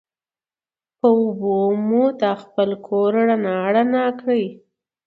په اوبو مو دا خپل کور رڼا رڼا کړي